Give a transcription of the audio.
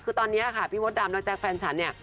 คือตอนนี้ค่ะพี่มดดำและแจ๊คแฟนฉันเนี่ย